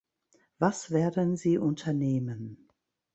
Was werden Sie unternehmen?